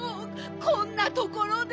こんなところで。